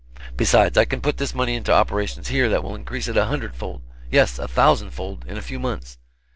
Besides, I can put this money into operations here that will increase it a hundred fold, yes, a thousand fold, in a few months.